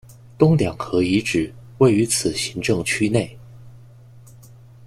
东两河遗址位于此行政区内。